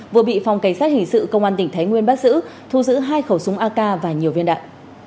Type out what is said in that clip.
vừa bị phòng cảnh sát hình sự công an tỉnh thái nguyên bắt giữ thu giữ hai khẩu súng ak và nhiều viên đạn